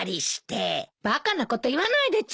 バカなこと言わないでちょうだい。